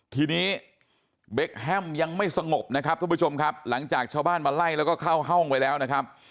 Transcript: ทีนี้เบคแฮมยังไม่สงบนะครับทุกผู้ชมครับหลังจากชาวบ้านมาไล่แล้วก็เข้าห้องไว้แล้วนะครับ